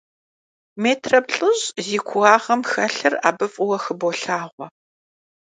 Метр плӏыщӏ зи кууагъым хэлъыр абы фӀыуэ хыболъагъуэ.